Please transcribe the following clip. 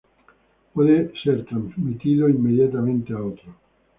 Puede ser transmitido inmediatamente a otros.